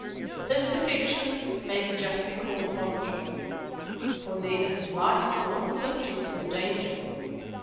His defection may be justly called voluntary: for neither his life nor his liberty was in danger.